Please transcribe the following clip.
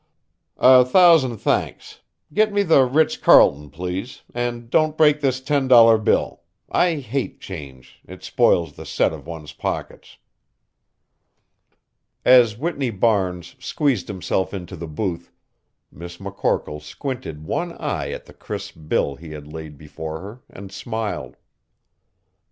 "A thousand thanks get me the Ritz Carlton, please, and don't break this ten dollar bill. I hate change, it spoils the set of one's pockets." As Whitney Barnes squeezed himself into the booth, Miss McCorkle squinted one eye at the crisp bill he had laid before her and smiled.